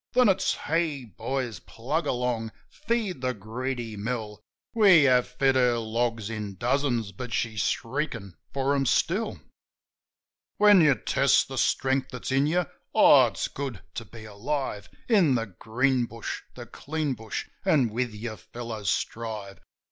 Then it's: Hey, boys! Plug ahead! Feed the greedy mill ! We have fed her logs in dozens, but she's shriekin' for 'em still. SWINGIN' DOUGLAS 13 When you test the strength that's in you, oh, it's good to be alive In the green bush, the clean bush, an' with your fellows strive